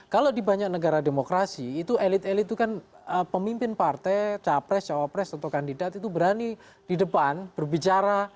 kalau di banyak negara demokrasi itu elit elit itu kan pemimpin partai capres cawapres atau kandidat itu berani di depan berbicara